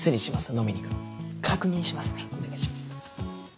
飲みに行くの確認しますねお願いします